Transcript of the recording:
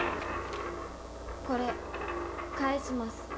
これ返します。